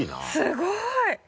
すごい！